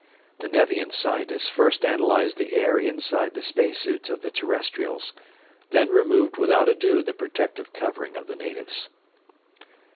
The Nevian scientists first analyzed the air inside the space suits of the Terrestrials, then removed without ado the protective covering of the captives.